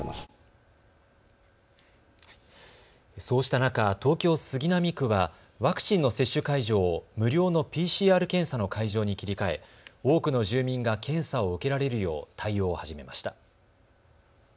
そうした中、東京杉並区はワクチンの接種会場を無料のＰＣＲ検査の会場に切り替え多くの住民が検査を受けられるよう対応を始めました。